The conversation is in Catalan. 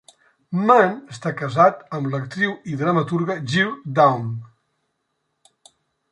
Mann està casat amb l'actriu i dramaturga Jill Daum